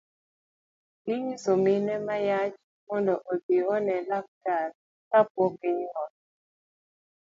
Inyiso mine ma yach mondo odhi one laktar kapok ginyuol